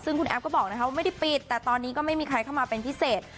ซึ่งคุณแอฟก็บอกว่าไม่ได้ปิดแต่ตอนนี้ก็ไม่มีใครเข้ามาเป็นพิเศษ